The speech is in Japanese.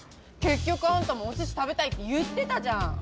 結局あんたもおすし食べたいって言ってたじゃん。